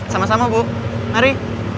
sama sama bu mari